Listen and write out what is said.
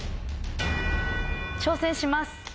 挑戦します！